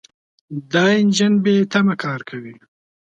دا انجن بېتمه کار کوي.